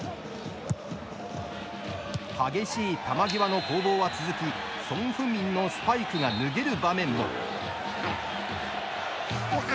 激しい球際の攻防は続きソン・フンミンのスパイクが脱げる場面も。